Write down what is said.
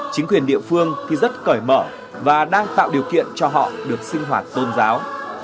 chính quyền địa phương thì rất cởi mở và đang tạo điều kiện cho họ được sinh hoạt tôn giáo